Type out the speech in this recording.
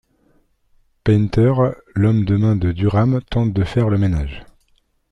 Paynter, l'homme de main de Durham, tente de faire le ménage.